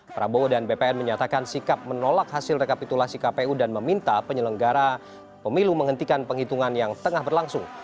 prabowo dan bpn menyatakan sikap menolak hasil rekapitulasi kpu dan meminta penyelenggara pemilu menghentikan penghitungan yang tengah berlangsung